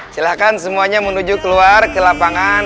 silahkan semuanya menuju keluar ke lapangan